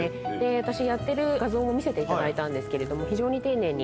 私やってる画像も見せていただいたんですけれども。